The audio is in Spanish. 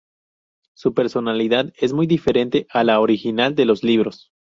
Su personalidad es muy diferente a la original de los libros.